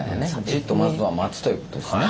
じっとまずは待つということですね。